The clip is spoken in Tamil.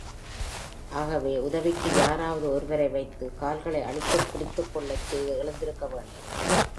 ஆகவே உதவிக்கு யாராவது ஒரு வரை வைத்து, கால்களை அழுத்திப் பிடித்துக் கொள்ளச் செய்து எழுந்திருக்க வேண்டும்.